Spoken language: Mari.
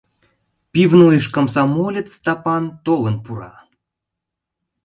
Пивнойыш комсомолец Стапан толын пура.